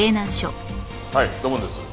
はい土門です。